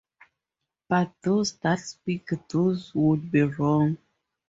But those that speak thus would be wrong.